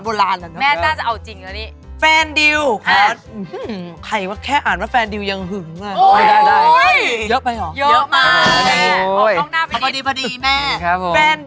อืมดิวติดต่ออะไรเขาไม่ได้เลย